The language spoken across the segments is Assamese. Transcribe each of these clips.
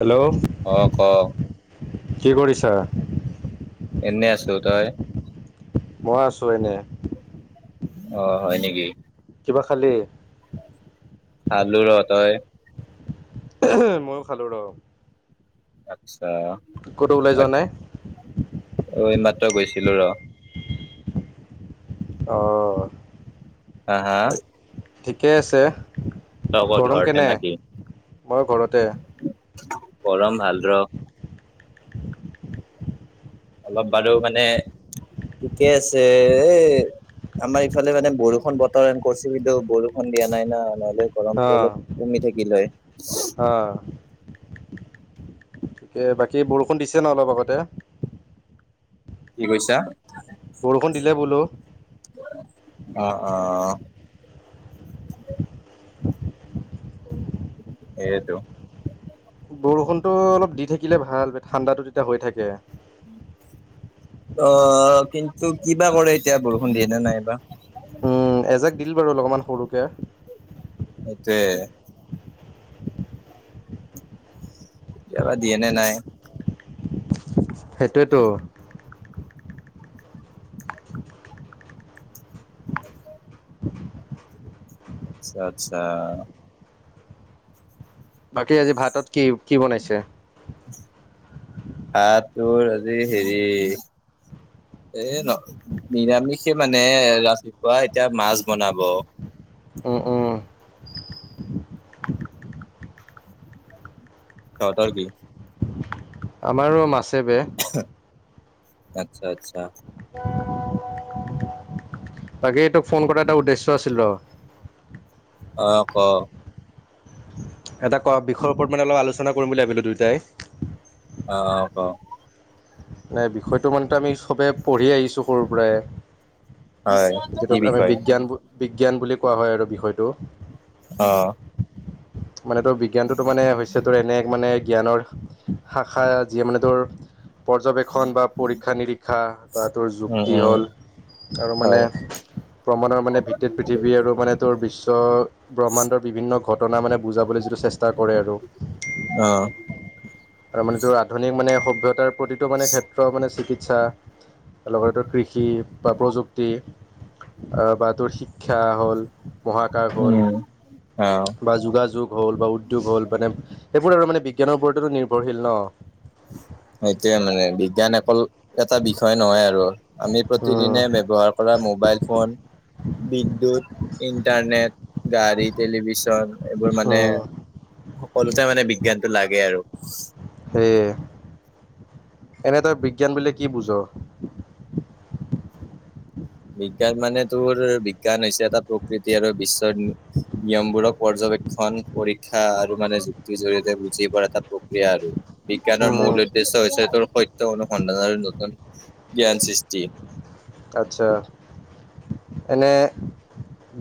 হেল্ল'। অ', ক'ক। কি কৰিছা? এনেই আছোঁ তই? মই আছো এনে। অ', হয় নেকি? কিবা খালী? খালো ৰ'হ তই? ময়ো খালো ৰ। আচ্ছা। ক'তো ওলাই যোৱা নাই? অ', এই মাত্ৰ গৈছিলো ৰহ। অ'। হা, হা। ঠিকে আছে। তই ক'ত গৰম ঘৰতে কেনে? নাকি মই ঘৰতে। গৰম ভাল ৰ। অলপ বাৰু মানে ঠিকে আছে এ, আমাৰ ইফালে মানে বৰষুণ বতৰ কৰিছে, কিন্তু বৰষুণ দিয়া নাই না' নহ'লে গৰমতটো অ' অলপ কমি থাকিল হয়। অ'। তে, বাকী বৰষুণ দিছে ন' অলপ আগতে? কি কৈছা? বৰষুণ দিলে বোলো। অ', অ'। সেইটো। বৰষুণতো অলপ দি থাকিলে ভাল ঠাণ্ডাটো তেতিয়া হৈ থাকে। অ', কিন্তু কিবা কৰে এতিয়া বৰষুণ দিয়ে নে নাইবা। উম, এজাক দিলে বাৰু অলপমান সৰুকে। ইয়াতেই। এতিয়াবা দিয়ে নে নাই? সেইটোৱেতো। আচ্ছা, আচ্ছা। বাকী আজি ভাতত কি কি বনাইছে? ভাত তোৰ আজি হেৰি এ নহ নিৰামিষে মানে ৰাতিপুৱা এতিয়া মাছ বনাব। উম, উম তহঁতৰ কি? আমাৰো মাছে বে। আচ্ছা আচ্ছা। বাকী তোক ফোন কৰাৰ এটা উদ্দেশ্য আছিল ৰ। অ, ক। এটা ক বিষয়ৰ ওপৰত মানে অলপ আলোচনা কৰিম বুলি ভাবিলো দুইটাই। অ, ক। নাই বিষয়টো মানেটো আমি সবে পঢ়ি আহিছোঁ সৰুৰ পৰাই। হয় কি যিটোক আমি বিষয় বিজ্ঞান বিজ্ঞান বুলি কোৱা হয় আৰু বিষয়টো। অ। মানেটো বিজ্ঞানটো মানে হৈছে সেইটোৰ এনে এক মানে জ্ঞানৰ শাখা যিয়ে মানে তোৰ পৰ্যবেক্ষণ বা পৰীক্ষা-নিৰীক্ষা বা তোৰ উম যুক্তি উম হ'ল আৰু মানে হয় প্ৰমাণৰ মানে ভিত্তিত পৃথিৱী আৰু মানে তোৰ বিশ্ব ব্ৰহ্মাণ্ডৰ বিভিন্ন ঘটনা মানে বুজাবলৈ যিটো চেষ্টা কৰে আৰু। অ আৰু মানেটো আধুনিক মানে সভ্যতাৰ প্ৰতিটো মানে ক্ষেত্ৰ মানে চিকিৎসা লগতে কৃষি বা প্ৰযুক্তি। বা তোৰ শিক্ষা হ'ল, মহাকাশ হ'ল। উম অ বা যোগাযোগ হ'ল বা উদ্যোগ হ'ল মানে এইবোৰ আৰু মানে বিজ্ঞানৰ ওপৰতো নি নিৰ্ভৰশীল ন। সেইটোয়ে মানে বিজ্ঞান অকল এটা বিষয় নহয় আৰু আমি উম প্ৰতিদিনে ব্যৱহাৰ কৰা মোবাইল ফোন। বিদ্যুৎ, ইন্টাৰনেট, গাড়ী, টেলিভিছন। এইবোৰ মানে উম সকলোতে মানে বিজ্ঞানটো লাগে আৰু। সেয়ে, এনেই তই বিজ্ঞান বুলিলে কি বুজ? বিজ্ঞান মানে তোৰ বিজ্ঞান হৈছে এটা প্ৰকৃতি আৰু বিশ্বৰ নিয়মবোৰক পৰ্যবেক্ষণ, পৰীক্ষা আৰু মানে যুক্তিৰ জৰিয়তে বুজি পোৱা এটা প্ৰক্ৰিয়া আৰু। বিজ্ঞানৰ হম মূল উদ্দেশ্য হৈছে তোৰ সত্য অনুসন্ধানৰ নতুন জ্ঞান সৃষ্টি। আচ্ছা, এনে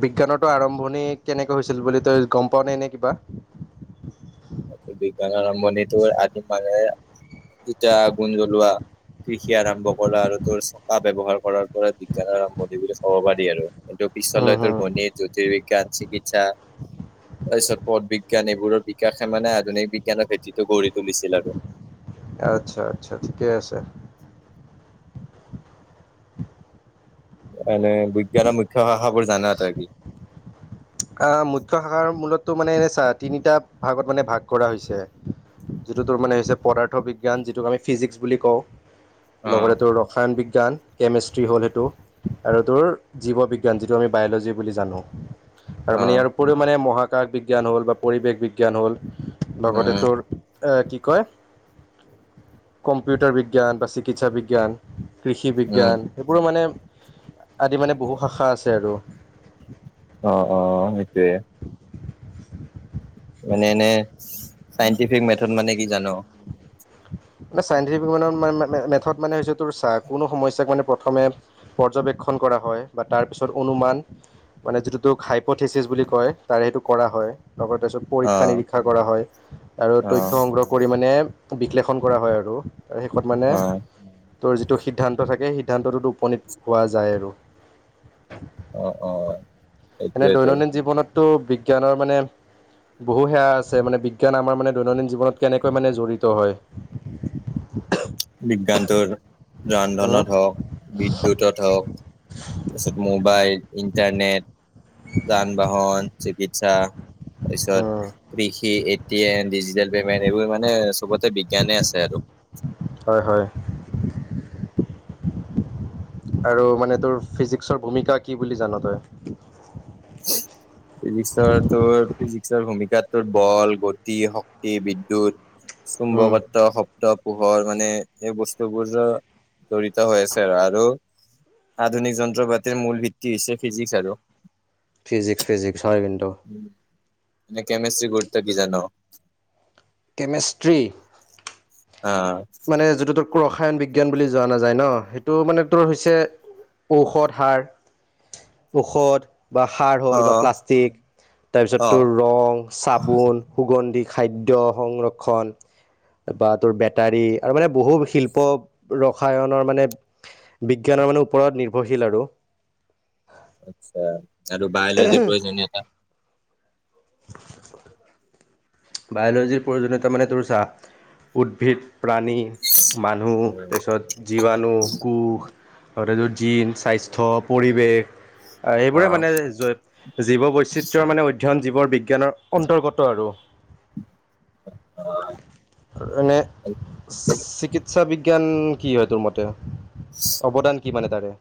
বিজ্ঞানৰতো আৰম্ভণি কেনেকে হৈছিল বুলি তই গম পাৱ নে এনেই কিবা? বিজ্ঞান আৰম্ভণিটো আদি মে দুটা গুণ জ্বলোৱা। কৃষি আৰম্ভ কৰা আৰু তোৰ চকা ব্যৱহাৰ কৰাৰ পৰা বিজ্ঞান আৰম্ভণি বুলি ক'ব পাৰি আৰু। এইটো পিছলে উম তোৰ হম বনি যোগ। টেৰিকাছ চিকিৎসা, তাৰপিছত পদ বিজ্ঞান এইবোৰৰ দি বিকাশে মানে আধুনিক বিজ্ঞানৰ ভেটিতো গঢ়ি তুলিছিল আৰু। আচ্ছা আচ্ছা ঠিকে আছে। এনেই বিজ্ঞানৰ মুখ্য ভাষাবোৰ জানা তই কি? আ মুখ্য শাখাৰ মূলতো মানে এনে চা তিনিটা ভাগত মানে ভাগ কৰা হৈছে। যিটো তোৰ মানে হৈছে পদাৰ্থ বিজ্ঞান, যিটোক আমি ফিজিক্স বুলি কওঁ। লগতে অ', তোৰ ৰসায়ন বিজ্ঞান। কেমেষ্ট্ৰী হ'ল সেইটো, আৰু তোৰ জীৱ বিজ্ঞান যিটো আমি বায়লজি বুলি জানোঁ। আৰু মানে অ', ইয়াৰ উপৰিও মানে মহাকাশ বিজ্ঞান হ'ল বা পৰিৱেশ বিজ্ঞান হ'ল। লগতে উম, তোৰ এ কি কয় কম্পিউটাৰ বিজ্ঞান বা চিকিৎসা বিজ্ঞান। কৃষি উম, বিজ্ঞান। সেইবোৰো মানে আদি মানে বহু শাখা আছে আৰু। অ অ সেইটোৱে। মানে এনে চাইটিফিক মেথড মানে কি জান? মানে চাইণ্টিফিক মান মে মেথত মানে হৈছে তোৰ চাহ কোনো সমস্যাক মানে প্ৰথমে পৰ্যবেক্ষণ কৰা হয় বা তাৰপিছত অনুমান মানে যিটো তোক হাইপথিচিছ বুলি কয়। তাৰে সেইটো কৰা হয় লগ তাৰপিছত পৰীক্ষা অ', নিৰীক্ষা কৰা হয়। আৰু তথ্য সংগ্ৰহ কৰি মানে বিশ্লেষণ কৰা হয় আৰু। আৰু শেষত মানে অ', তোৰ যিটো সিদ্ধান্ত থাকে, সিদ্ধান্তটোতো উপনীত হোৱা যায় আৰু। অ', অ', এনে সেইটোয়ে তোৰ দৈনন্দিন জীৱনতটো বিজ্ঞানৰ মানে বহু সেয়া আছে মানে বিজ্ঞান আমাৰ মানে দৈনন্দিন জীৱনত কেনেকৈ মানে জড়িত হয়। [inaudible] বিজ্ঞানটোৰ উম ৰান্ধনত হওক বিদ্যুত হওক, তাৰপিছত মোবাইল, ইণ্টাৰনেট যান বাহন, চিকিৎসা তাৰপিছত উম কৃষি, A T M, digital payment এইবোৰ মানে চবতে বিজ্ঞানে আছে আৰু। হয় হয়। আৰু মানে তোৰ ফিজিক্সৰ ভূমিকা কি বুলি জান তই? ফিজিক্সৰ তো ফিজিক্সৰ ভূমিকাত বল, গতি, শক্তি, বিদ্যুত, উম চুম্বকত্ব পোহৰ মানে এই বস্তুবোৰ জৰিড় হৈ আছে আৰু। আধুনিক যন্ত্ৰ পাতিৰ মূল ভিত্তি হৈছে ফিজিক্স আৰু ফিজিক্স ফিজিক্স হয় কিন্তু। নে কেমেষ্ট্ৰীৰ গুৰুত্ব কি জান? কেমেষ্ট্ৰী- অ মানে যিটো তো ৰসায়ন বিজ্ঞান বুলি যোৱা নাযায় ন? সেইটো মানে তোৰ হৈছে ঔষধ সাৰ, ঔষধ বা সাৰ হ'ল অ বা প্লাষ্টিক। তাৰপিছত অ তোৰ ৰং, চাবোন সুগন্ধি খাদ্যৰ সংৰক্ষণ বা তোৰ বে- টাৰি আৰু মানে বহু শিল্প ৰসায়নৰ মানে বিজ্ঞানৰ মানে ওপৰত নিৰ্ভৰশীল আৰু- আচ্ছা, আৰু বায়লজিৰ প্ৰয়োজন এটা [inaudible] বায়'লজিৰ প্ৰয়োজনীয়তা মানে তোৰ চাহ উদ্ভিদ, প্ৰাণী মানুহ তাৰপিছত জীৱাণু, কুষ [unintelligible] স্বাস্থ্য পৰিৱেশ এইবোৰে মানে জীৱ বৈচিত্ৰৰ মানে অধ্যয়ন জীৱ বিজ্ঞানৰ অন্তৰ্গত আৰু। অ- আৰু এনে চিকিৎসা বিজ্ঞান কি হয় তোৰ মতে? অৱদান কি মানে তাৰে?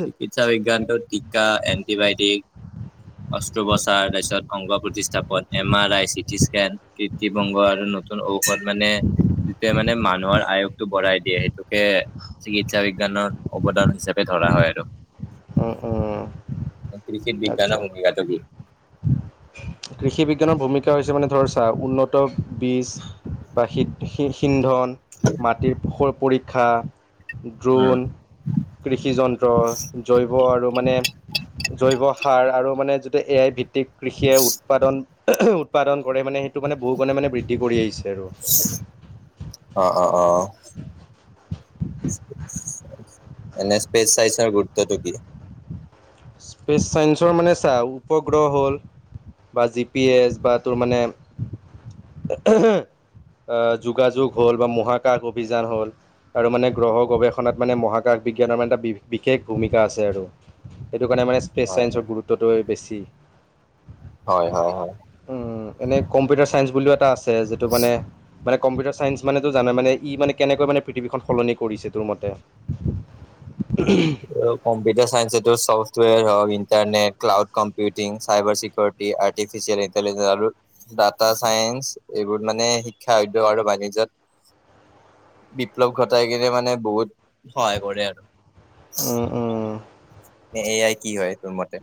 চিকিৎসা বিজ্ঞানটোত টীকা এণ্টিবায়টিক অষ্ট্ত্ৰো বচাৰছত অংগ প্ৰতিষ্ঠাপন M R I CT scan কৃত্তি বংগ আৰু নতুন ঔষধ মানে যেতিয়া মানে মানুহৰ আয়স ভৰাই দিয়ে সেইটোকে চিকিৎসা বিজ্ঞানৰ অৱদান হিচাপে ধৰা হয় আৰু- অঁ অঁ কৃষিত বিজ্ঞানৰ আচ্ছা। ভূমিকাটো কি? কৃষি বিজ্ঞানৰ ভূমিকা হৈছে মানে ধৰচা উন্নত বীজ- বা শি সিন্ধন- মাটিৰ পুষৰ পৰীক্ষা উম। দ্ৰোন- কৃষি যন্ত্ৰ- জৈৱ আৰু মানে, জৈৱ সাৰ আৰু মানে যেতিয়া এ আই ভি প্ৰ কৃষিয়ে উৎপাদন উৎপাদন কৰে মানে সেইটো মানে বহুুণে মানে বৃদ্ধি কৰি আহিছে আৰু। অ' অ' অ' অ'। এনে স্পেচ চাইজৰ গুৰুত্বটো কি? স্পেচ চাইন্সৰ মানে চা, উপগ্ৰহ হ'ল, বা জি পি এছ, বা তোৰ মানে আহ যোগাযোগ হ'ল, বা মহাকাশ অভিযান হ'ল, আৰু মানে গ্ৰহৰ গৱেষণাত মানে মহাকাশ বিজ্ঞানৰ মানে এটা বিশেষ ভূমিকা আছে আৰু। সেইটো কাৰণে মানে স্পেচ হয়, হয়। ছাইন্সৰ গুৰুত্বটোৱে বেছি। হয় হয় হয়। উম এনেই কম্পিউটাৰ চাইন্স বুলিও এটা আছে যিটো মানে মানে কম্পিউটাৰ চাইন্স মানে টো জানে। মানে ই মানে কেনেকৈ মানে পৃথিৱীখন সলনি কৰিছে তোৰ মতে। উমহো কম্পিউটাৰ চাইন্স এইটো চফটৱোৰ হক internet cloud computing cyber security artificial intelligence আৰু ডাটা চাইন্ঞ্চ, এইবোৰ মানে শিক্ষা উদ্যোগ আৰু বাণিজ্য়ত- বিপ্লৱ ঘটাই কিনে মানে বহুত সহায় কৰে আৰু- উম উম- এয়াই কি হয় তোৰ মতে?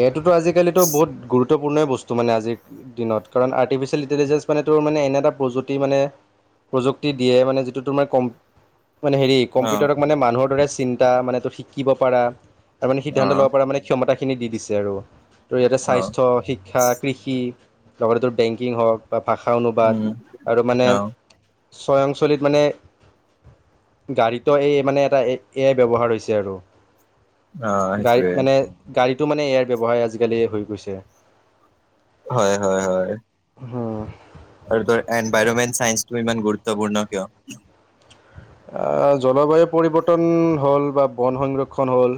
এইয়টোতো আজিকালিতো বহুত গুৰুত্ব গুৰুত্বপূৰ্ণই বস্তু মানে আজিৰ দিনত। কাৰণ আৰ্টিফিচিয়েল ইণ্টেলিজেঞ্চ মানে তোৰ মানে এনে এটা প্ৰযুি মানে প্ৰযুক্তি দিয়ে, মানে যিটো তোমাৰ ক মানে হেৰি অ কম্পিউটাৰক মানে মানুহৰ দৰে চিন্তা মানে তোৰ শিকিব পাৰা ত মানে অ সিদ্ধান্ত ল'ব পৰাাৰ মানে ক্ষমতাখিনি দি দিছে আৰু তো ইয়াতে অ স্বাস্থ্য শিক্ষা কৃষি, লগতেতো বেংকিং হওক, বা ভাষা অনুবাদ উম আৰু মানে অ স্বয়ং চলিত মানে, গাড়ীতো এই মানে এটা এয়াই ব্যৱহাৰ হৈছে আৰু অ গাড়ী সেইটোয়ে মানে গাড়ীটো মানে ইয়াৰ ব্যৱসায় আজিকালি হৈ গৈছে। হয়, হয়, হয়। হোম আৰু ত এনভাইৰমেণ্ট চাইন্ঞ্চটো ইমান গুৰুত্বপূৰ্ণ কিয়? আহ জলবায়ু পৰিৱৰ্তন হ'ল, বা বন সংৰক্ষণ হ'ল,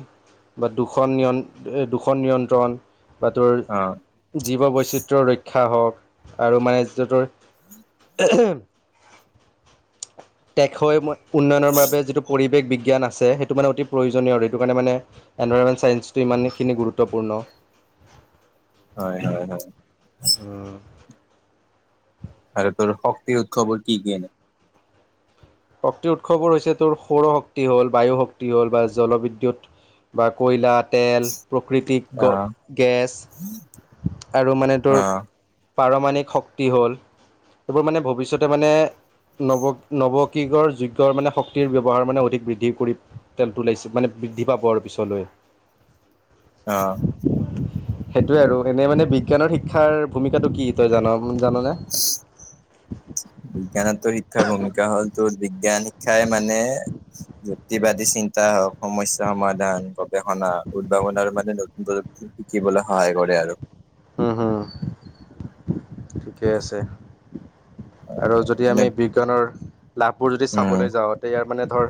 বা দুখন দুখন নিয়ন্ত্ৰণ, বা তোৰ অ জীৱ বৈচিত্ৰ ৰক্ষা হওক আৰু মানে য'তৰ টেখৈ উন্নয়নৰ বাবে যিটো পৰিৱেশ বিজ্ঞান আছে। সেই তটো মানে অতি প্ৰয়োজনীয় আৰু সেইটো কাৰণে মানে এনভাইৰমেণ্ট চেন্ঞ্চটো ইমানখিনি গুৰুত্বপূৰ্ণ। হয়, হয়, হয়। উম, আৰু তোৰ শক্তি উৎসৱৰ কি কিনে শক্তিৰ উৎসৱবোৰ হৈছে তোৰ সৌৰ শক্তি হ'ল, বায়ু শক্তি হ'ল, বা জলবিদ্যুৎ বা কয়লা, তেল প্ৰকৃতিক গ অ গেছ আৰু মানে অ তোৰ পাৰমাণিক শক্তি হ'ল এইবোৰ মানে ভৱিষ্যতে মানে নৱ নৱ কিগৰ যোগ্য মানে শক্তিৰ ব্যৱহাৰ মানে অধিক বৃদ্ধি কৰি তেলটো ওলাইছে মানে বৃদ্ধি পাব আৰু পিছলৈ। অহ সেইটোয়ে আৰু এনে মানে বিজ্ঞানৰ শিক্ষাৰ ভূমিকাটো কি তই জান জানানে? [inaudible] বিজ্ঞানত শিক্ষাৰ ভূমিকা হ'ল তোৰ বিজ্ঞান শিক্ষাই মানে যুক্তিবাদী চিন্তা হওক সমস্যা সমাধান গৱেষণা উদ্ভাৱনৰ মানে নতুন প্ৰযুক্ত শিকিবলৈ সহায় কৰে আৰু। হুম হুম। ঠিকেই আছে, আৰু যদি এনে আমি বিজ্ঞানৰ লাভবোৰ যদি উম চাবলৈ যাওঁ তে ইয়াৰ মানে ধৰ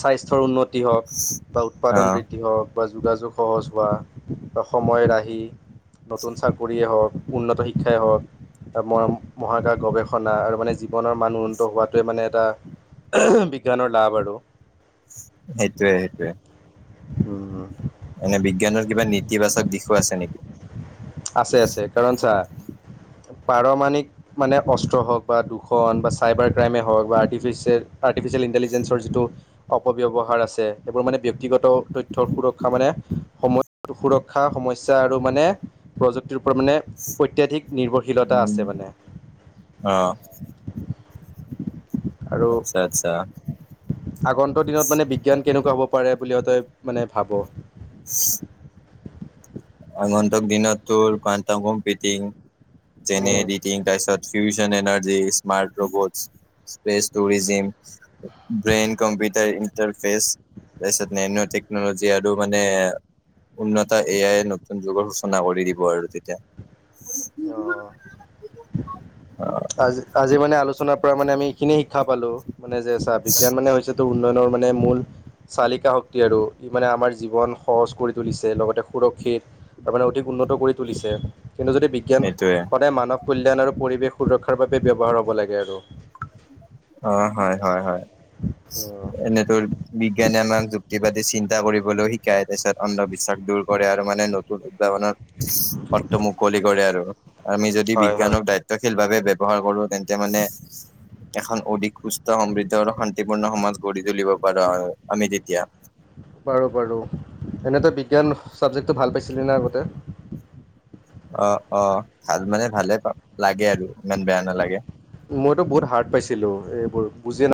স্বাস্থ্যৰ উন্ন তি হওক বা অ উৎপাদন বৃদ্ধি হওক। বা যোগাযোগ সহজ হোৱা বা সময় ৰাহি নতুন চাকৰিয়েই হওক। উন্নত শিক্ষাই হওক। ত ম মহাকাশ গৱেষণা আৰু মানে জীৱনৰ মানুহ উন্নত হোৱাটোৱে মানে এটা বিজ্ঞানৰ লাভ আৰু। সেইটোৱে সেইটোৱে। উম উম। এনে বিজ্ঞানৰ কিবা নেতিবাচক দিশো আছে নেকি? আছে আছে, কাৰণ চা পাৰমাণিক মানে অস্ত্ৰ হওক বা দুখন বা চাইবাৰ ক্ৰাইমে হওক বা আৰ্ফিচিয়েল আৰ্টিফিচিয়েল ইণ্টেলিজেঞ্চৰ যিটো অপব্যৱহাৰ আছে এইবোৰ মানে ব্যক্তিগত ত থ্য সুৰক্ষা মানে সম সুৰক্ষা সমস্যা আৰু মানে প্ৰযুক্তিৰ ওপৰত মানে অত্যাধিক নিৰ্ভৰশীলতা আছে মানে। আ আৰু আচ্ছা আচ্ছা। আগন্তুক দিনত মানে বিজ্ঞান কেনেকুৱা হ'ব পাৰে বুলিও তই মানে ভাব? [inaudible] আগন্তক দিনত তোৰ কোৱান্টাম হোমৰেটিং যেনে অঁ ৰিটিং তাৰপিছত fusion energies, smart robot, space tourism. Brain computer interface. তাৰপিছত নেন' টেকনলজি আৰু মানে উন্নত এ আই ন তুন যুগৰ সূচনা কৰি দিব আৰু তেতিয়া। অঁ অ আজি আজি মানে আলোচনাৰ পৰা মানে আমি এইখিনিয়ে শিক্ষা পালো মানে যে চা বিজ্ঞান মানে হৈছে তোৰ উন্নয়নৰ মানে মূল চালিকা শক্তি আৰু ই মানে আমাৰ জীৱন সহজ কৰি তুলিছে লগতে সুৰক্ষিত তাৰমানে অধিক উন্নত কৰি তুলিছে কিন্তু যদি বি জ্ঞান সেইটোয়ে সদায় মানৱ কল্যাণ আৰু পৰিৱেশ সুৰক্ষাৰ বাবে ব্যৱহাৰ হ'ব লাগে আৰু। অ হয় হয় হয়। এনেতোৰ বিজ্ঞানে আমাক যুক্তিবাদ চিন্তা কৰিবলৈ শিকায় তাৰিপিছত অন্ধবিশ্বাস দূৰ কৰে আৰু মানে নতুন উদ্ভাৱনত পথটো মুকলি কৰে আৰু আমি যদি হয় হয় বিজ্ঞানক দাই তশীল ভাৱে ব্যৱহাৰ কৰো তেন্তে মানে এখন অধিক সুস্থ সমৃদ্ধ আৰু শান্তিপূৰ্ণ সমাজ গঢ়ি তুলিব পাৰো আ, আমি তেতিয়া। পাৰো পাৰো, এনে তই বিজ্ঞান চাবজেক্টটো ভাল পাইছিলি না আগতে? অ', অ', ভাল মানে ভালে পাওঁ, লাগে আৰু ইমান বেয়া নালাগে। মইতো বহুত হাৰ্ড পাইছিলোঁ, এইবোৰ বুজিয়ে না